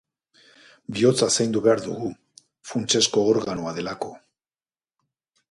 Bihotza zaindu behar dugu, funtsezko organoa delako.